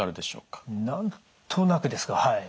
何となくですがはい。